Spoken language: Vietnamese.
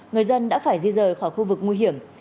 người dân đã phải di rời khỏi khu vực nguy hiểm